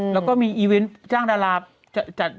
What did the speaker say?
แล้วก็มีอีเวนต์จ้างดารา